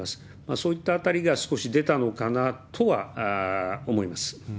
そういったあたりが、少し出たのかなとは思います。